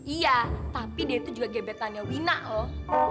iya tapi dia itu juga gebetannya wina loh